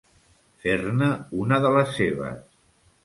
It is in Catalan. Fer-ne una de les seves.